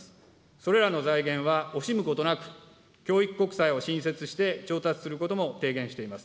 それらの財源は惜しむことなく、教育国債を新設して調達することも提言しています。